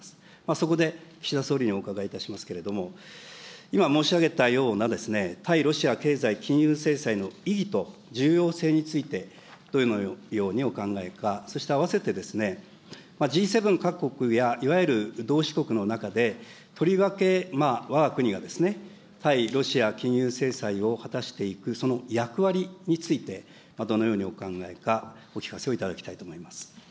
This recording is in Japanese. そこで岸田総理にお伺いいたしますけれども、今申し上げたような対ロシア経済金融制裁の意義と重要性について、どのようにお考えか、そして、あわせてですね、Ｇ７各国やいわゆる同志国の中でとりわけ、わが国が対ロシア金融制裁を果たしていくその役割について、どのようにお考えか、お聞かせをいただきたいと思います。